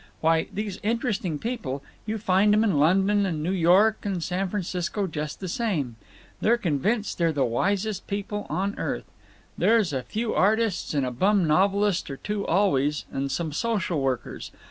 "Why, these Interesting People—You find 'em in London and New York and San Francisco just the same. They're convinced they're the wisest people on earth. There's a few artists and a bum novelist or two always, and some social workers.